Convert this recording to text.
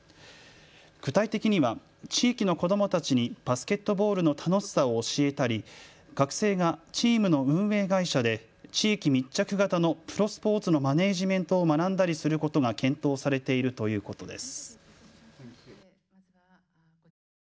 具体的には地域の子どもたちにバスケットボールの楽しさを教えたり学生がチームの運営会社で地域密着型のプロスポーツのマネージメントを学んだりすることが検討されているということです。